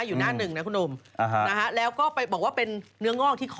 อยู่หน้าหนึ่งนะคุณอุ้มแล้วก็ไปบอกว่าเป็นเนื้องอกที่หัวใจ